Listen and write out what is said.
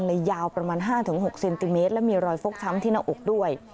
ยาวประมาณ๕๖เซนติเมตรและมีรอยฟกช้ำที่หน้าอกด้วย